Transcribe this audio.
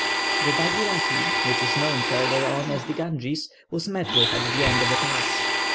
The Baghirati, which is known further on as the Ganges, was met with at the end of a pass.